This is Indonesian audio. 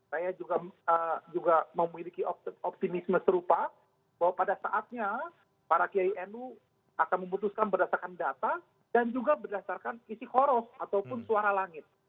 saya juga memiliki optimisme serupa bahwa pada saatnya para kiai nu akan memutuskan berdasarkan data dan juga berdasarkan isi koroh ataupun suara langit